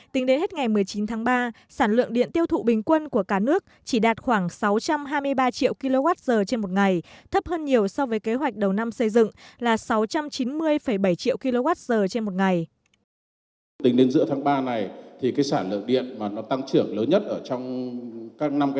tính đến hết ngày một mươi chín tháng ba sản lượng điện tiêu thụ bình quân của cả nước chỉ đạt khoảng sáu trăm hai mươi ba triệu kwh trên một ngày